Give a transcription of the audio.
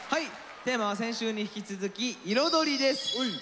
テーマは先週に引き続き「彩り」です。